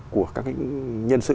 của các nhân sự